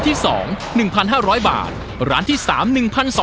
ที่อันที่๒๑๕๐๐บาท